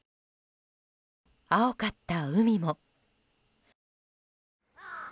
青かった海も。